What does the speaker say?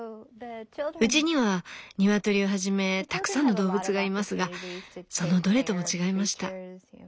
うちにはニワトリをはじめたくさんの動物がいますがそのどれとも違いました。